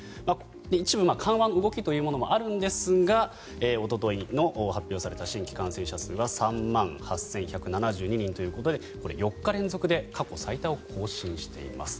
一部、緩和の動きというものもあるんですがおとといの発表された新規感染者数は３万８１７２人ということでこれ、４日連続で過去最多を更新しています。